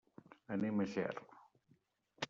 Anem a Ger.